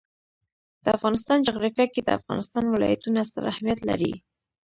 د افغانستان جغرافیه کې د افغانستان ولايتونه ستر اهمیت لري.